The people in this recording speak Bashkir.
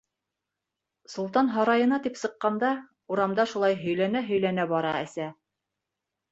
Солтан һарайына тип сыҡҡанда, урамда шулай һөйләнә-һөйләнә бара әсә.